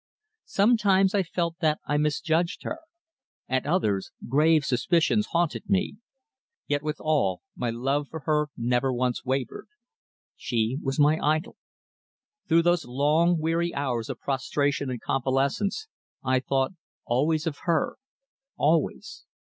Sometimes I felt that I misjudged her; at others grave suspicions haunted me. Yet withal my love for her never once wavered. She was my idol. Through those long, weary hours of prostration and convalescence I thought always of her always.